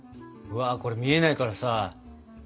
うわこれ見えないからさ。